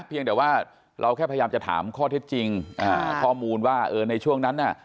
เพียงแต่ว่าเราแค่พยายามจะถามข้อเท็จจริงอ่าข้อมูลว่าเออในช่วงนั้นน่ะ